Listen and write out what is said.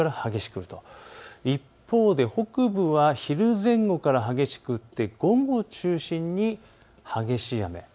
一方で北部は昼前後から激しく降って午後を中心に激しい雨。